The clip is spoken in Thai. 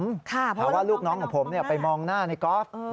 หาว่าลูกน้องของผมไปมองหน้าในกอล์ฟ